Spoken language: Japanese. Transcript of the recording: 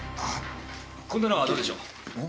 こんなのはどうでしょう。